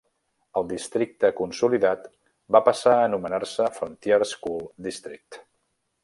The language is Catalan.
El districte consolidat va passar a anomenar-se Frontier School District.